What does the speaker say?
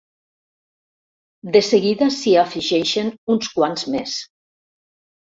De seguida s'hi afegeixen uns quants més.